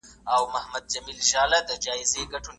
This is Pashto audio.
که په ایډیټ کي ستونزه پیدا سي نو پروګرام بیا چالان کړه.